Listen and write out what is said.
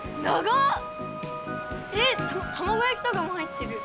えったまごやきとかもはいってる！